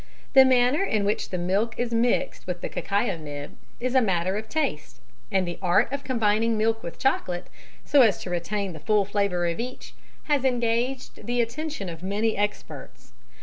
The manner in which the milk is mixed with the cacao nib is a matter of taste, and the art of combining milk with chocolate, so as to retain the full flavour of each, has engaged the attention of many experts.